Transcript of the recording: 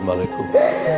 maafin bapak mi